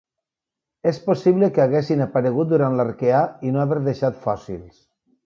És possible que haguessin aparegut durant l'Arqueà i no haver deixat fòssils.